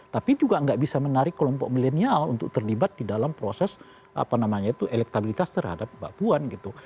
tapi juga nggak bisa menarik kelompok milenial untuk terlibat di dalam proses apa namanya itu elektabilitas terhadap mbak puan gitu